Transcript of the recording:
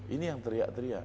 ini yang teriak teriak